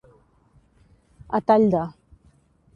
A tall de.